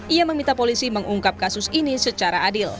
ia meminta polisi mengungkap kasus ini secara adil